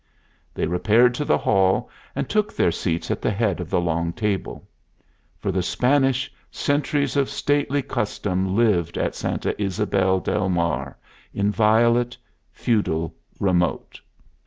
They repaired to the hall and took their seats at the head of the long table. For the Spanish centuries of stately custom lived at Santa Ysabel del Mar, inviolate, feudal, remote.